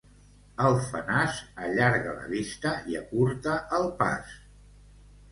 El fenàs allarga la vista i acurta el pas.